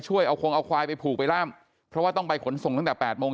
เอาคงเอาควายไปผูกไปล่ามเพราะว่าต้องไปขนส่งตั้งแต่แปดโมง